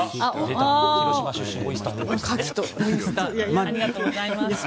ありがとうございます。